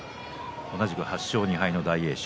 同じく８勝２敗の大栄翔